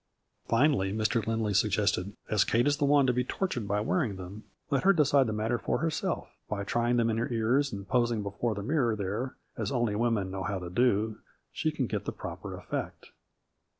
Finally Mr. Lindley suggested " as Kate is the one to be tortured by wearing them, let her de cide the matter for herself. By trying them in her ears, and posing before the mirror there, as 18 A FL UBR Y IN DIAMONDS. only women know how to do, she can get the proper effect."